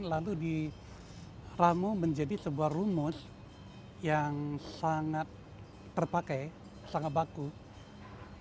lalu diramu menjadi sebuah rumus yang sangat terpakai sangat baku